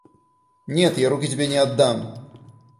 Нет, я руки тебе не отдам.